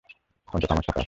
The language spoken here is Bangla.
অন্তত, আমার সাথে আছে!